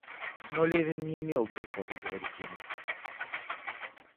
Но Левин не имел духа выговорить ему.